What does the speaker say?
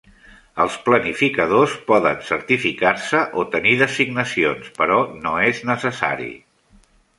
Els planificadors poden certificar-se o tenir designacions, però no és necessari.